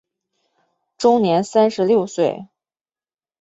终年三十六岁。